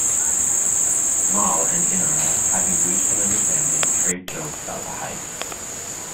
Mal and Inara, having reached an understanding, trade jokes about the heist.